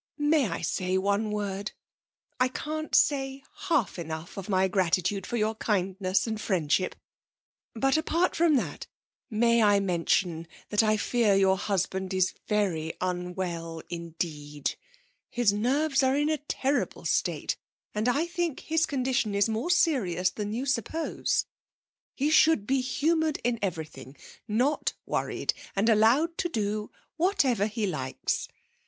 'May I say one word? I can't say half enough of my gratitude for your kindness and friendship, but, apart from that, may I mention that I fear your husband is very unwell indeed, his nerves are in a terrible state, and I think his condition is more serious than you suppose. He should be humoured in everything, not worried, and allowed to do whatever he likes.